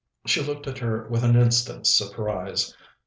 She looked at her with an instant's surprise.